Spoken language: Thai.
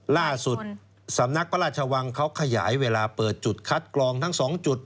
ล่าสุดสำนักพระราชวังเขาขยายเวลาเปิดจุดคัดกรองทั้ง๒จุด